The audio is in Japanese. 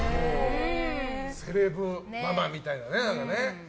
セレブママみたいなね。